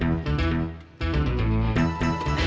terima kasih alex